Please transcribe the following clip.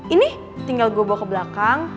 ini tinggal gue bawa ke belakang